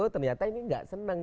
ternyata ini tidak senang